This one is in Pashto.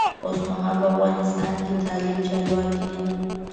اوسمهال په افغانستان کې طالب چارواکی دی.